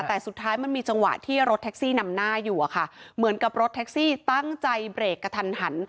แต่สุดท้ายมันมีจังหวะที่รถแท็กซี่นำหน้าอยู่อะค่ะเหมือนกับรถแท็กซี่ตั้งใจเบรกกระทันหัน